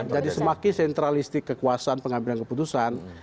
jadi semakin sentralistik kekuasaan pengambilan keputusan